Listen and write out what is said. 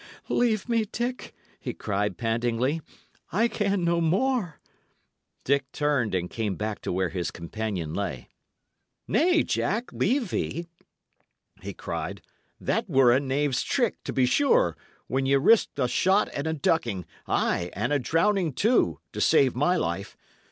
"Leave me, Dick!" he cried, pantingly; "I can no more." Dick turned, and came back to where his companion lay. "Nay, Jack, leave thee!" he cried. "That were a knave's trick, to be sure, when ye risked a shot and a ducking, ay, and a drowning too, to save my life.